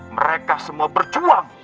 mereka semua berjuang